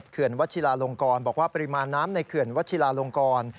เขื่อวัชิลาลงกรบอกว่าปริมาณน้ำในเขื่อนวัชิลาลงกร